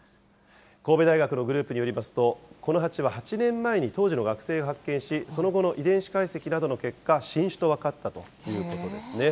神戸大学のグループによりますと、このハチは８年前に当時の学生が発見し、その後の遺伝子解析などの結果、新種と分かったということですね。